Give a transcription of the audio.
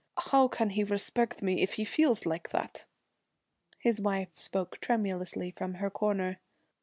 'How can he respect me if he feels like that?' His wife spoke tremulously from her corner.